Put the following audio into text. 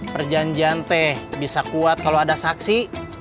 perjanjian teh bisa kuat kalau ada saksi